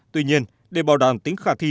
tuy nhiên để bảo đảm tính khả thi